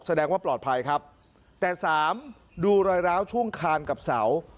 แสดงว่าปลอดภัยครับแต่สามดูรอยร้าวช่วงคานกับเสา